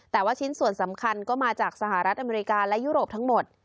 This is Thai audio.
แต่ว่าชิ้นส่วนสำคัญก็มาจากสหรัฐอเมริกาและยุโรปทั้งหมด